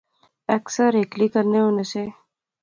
اکثر ہیکلی کرنے ہونے سے